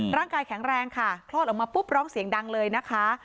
ร่างกายแข็งแรงค่ะคลอดออกมาปุ๊บร้องเสียงดังเลยนะคะ